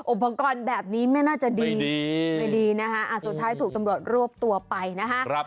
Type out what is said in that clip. อุปกรณ์แบบนี้ไม่น่าจะดีไม่ดีนะคะสุดท้ายถูกตำรวจรวบตัวไปนะฮะ